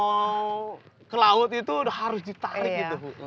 kalau mau ke laut itu udah harus ditarik itu